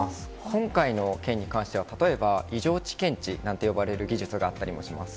今回の件に関しては、例えば異常値検知なんて呼ばれる技術があったりもします。